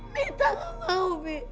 minta mau bi